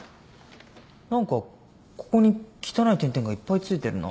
何かここに汚い点々がいっぱいついてるな。